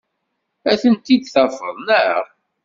Ad tent-id-tafeḍ, naɣ?